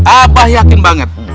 abah yakin banget